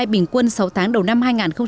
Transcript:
bình quân sáu tháng đầu năm hai nghìn một mươi tám